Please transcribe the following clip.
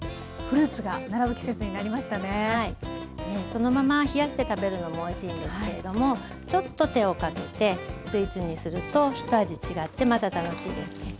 そのまま冷やして食べるのもおいしいんですけれどもちょっと手をかけてスイーツにすると一味違ってまた楽しいですね。